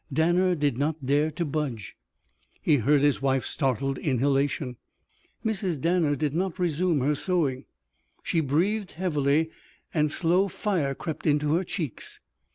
Danner did not dare to budge. He heard his wife's startled inhalation. Mrs. Danner did not resume her sewing. She breathed heavily and slow fire crept into her cheeks.